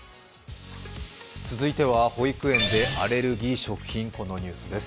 続いては保育園でアレルギー食品のニュースです。